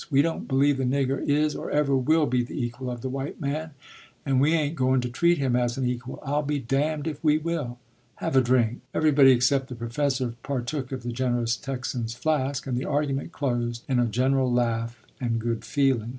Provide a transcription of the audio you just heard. We don't believe the nigger is or ever will be the equal of the white man, and we ain't going to treat him as an equal; I'll be damned if we will. Have a drink." Everybody except the professor partook of the generous Texan's flask, and the argument closed in a general laugh and good feeling.